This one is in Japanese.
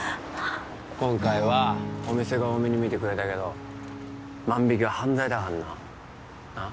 今回はお店が大目に見てくれたけど万引きは犯罪だかんななっ